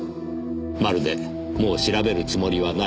まるでもう調べるつもりはない。